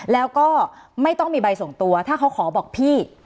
แล้วก็ไม่ต้องมีใบส่งตัวถ้าเขาขอบอกพี่